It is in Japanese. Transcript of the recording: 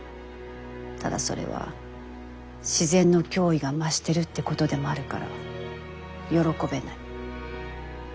ただそれは自然の脅威が増してるってことでもあるから喜べない。